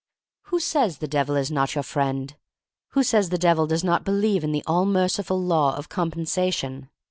Who says the Devil is not your friend? Who says the Devil does not believe in the all merciful Law of Com pensation?